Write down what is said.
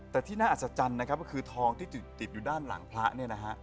แต่ที่น่าอัศจรรย์นะครับก็คือทองที่ติดอยู่ด้านหลังพระเนี่ยนะฮะ